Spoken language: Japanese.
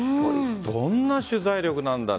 どんな取材力なんだ。